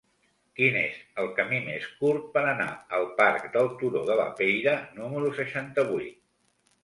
Quin és el camí més curt per anar al parc del Turó de la Peira número seixanta-vuit?